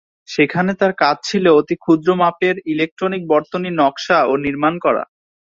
সেখানে তার কাজ ছিল অতিক্ষুদ্র মাপের ইলেকট্রনিক বর্তনী নকশা ও নির্মাণ করা।